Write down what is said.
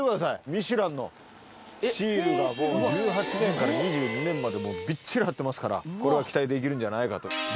ミシュランのシールが１８年から２２年までびっちり貼ってますからこれは期待できるんじゃないかと。